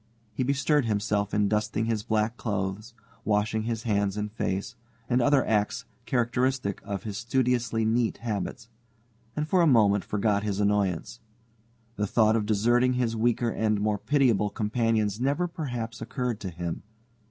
He bestirred himself in dusting his black clothes, washing his hands and face, and other acts characteristic of his studiously neat habits, and for a moment forgot his annoyance. The thought of deserting his weaker and more pitiable companions never perhaps occurred to him.